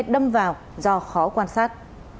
đâm vào do khó quan sát